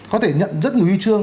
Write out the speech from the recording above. có thể nhận rất nhiều huy chương